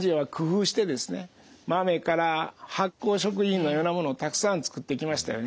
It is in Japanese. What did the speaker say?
豆から発酵食品のようなものをたくさん作ってきましたよね。